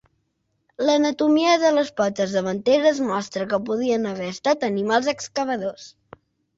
L'anatomia de les potes davanteres mostra que podrien haver estat animals excavadors.